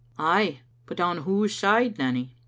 " Ay, but on whose side, Nanny?"